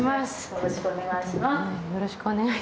よろしくお願いします。